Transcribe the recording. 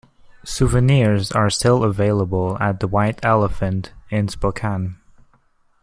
Souvenirs are still available at The White Elephant in Spokane.